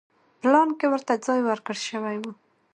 پلان کې ورته ځای ورکړل شوی و.